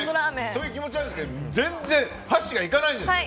そういう気持ちはあるんですが全然箸がいかないんですよ。